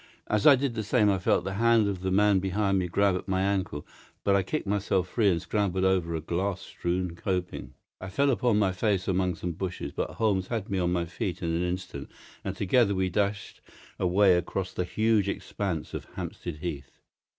As I did the same I felt the hand of the man behind me grab at my ankle; but I kicked myself free and scrambled over a glass strewn coping. I fell upon my face among some bushes; but Holmes had me on my feet in an instant, and together we dashed away across the huge expanse of Hampstead Heath.